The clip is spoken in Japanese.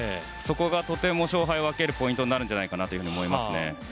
そこがとても勝敗を分けるポイントになると思いますね。